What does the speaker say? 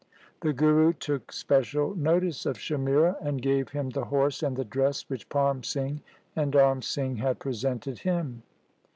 The Guru took special notice of Shamira, and gave him the horse and the dress which Parm Singh and Dharm Singh had presented him.